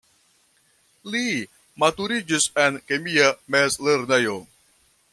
Li maturiĝis en kemia mezlernejo.